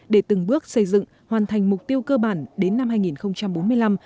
để từng bước xây dựng hoàn thành mục tiêu cơ bản đến năm hai nghìn bốn mươi năm